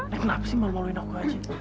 nek kenapa sih mau maluin aku aja